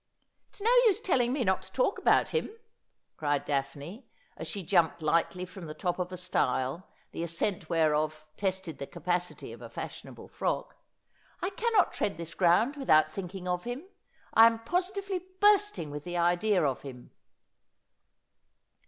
' It's no use telling me not to talk about him,' cried Daphne, as she jumped lightly from the top of a stile, the ascent whereof tested the capacity of a fashionable frock ;' I cannot tread this 154 Asphodel. ground without thinking of him. I am positively bursting with the idea of him.'